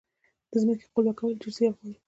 د ځمکې قلبه کول ډیر زیار غواړي.